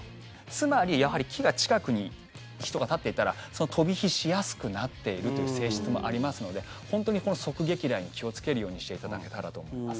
つまり、やはり木の近くに人が立っていたら飛び火しやすくなっているという性質もありますので本当に側撃雷に気をつけるようにしていただけたらと思います。